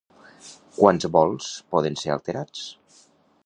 Quants vols poden ser alterats?